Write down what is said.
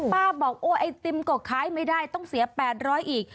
ป้าบอกโอ้ไอติมก็ขายไม่ได้ต้องเสีย๘๐๐อีก